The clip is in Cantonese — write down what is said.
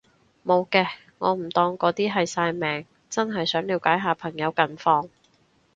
無嘅，我唔當嗰啲係曬命，真係想了解下朋友近況